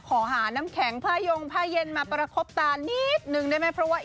ขอหาน้ำแข็งพลายงพลาเย็นมาประภบตานิดนึงได้